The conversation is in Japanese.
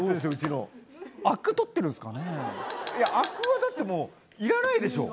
アクはだってもういらないでしょう。